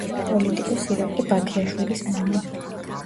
პოლიტიკოს ირაკლი ბათიაშვილის მამა.